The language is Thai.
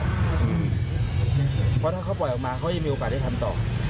เพราะถ้าเขาปล่อยออกมาเขายังมีโอกาสได้ทำต่อ